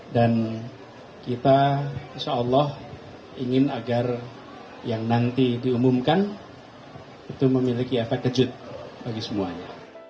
dan kita insya allah ingin agar yang nanti diumumkan itu memiliki efek kejut bagi semuanya